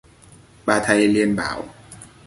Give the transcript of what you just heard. bà thầy liền bảo